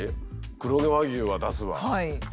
黒毛和牛は出すわ。